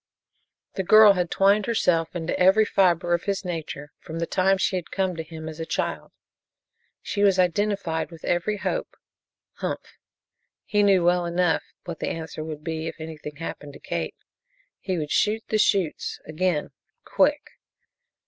The girl had twined herself into every fiber of his nature from the time she had come to him as a child. She was identified with every hope. Humph! He knew well enough what the answer would be if anything happened to Kate. He would shoot the chutes, again quick.